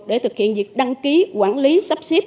để thực hiện việc đăng ký quản lý sắp xếp